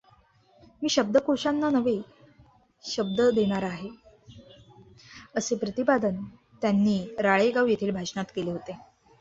मी शब्दकोषांना नवे शब्द देणारा आहे, असे प्रतिपादन त्यांनी राळेगाव येथील भाषणात केले होते.